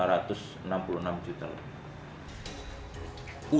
harus membayar uang pengganti sebesar satu miliar lima juta